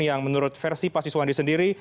yang menurut versi pak siswandi sendiri